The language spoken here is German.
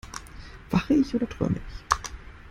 Wache ich oder träume ich?